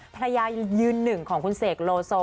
ภรรยายืนหนึ่งของคุณเสกโลโซ